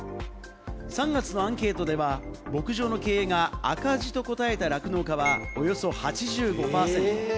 ３月のアンケートでは、牧場の経営が赤字と答えた酪農家はおよそ８５％。